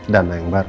dana yang baru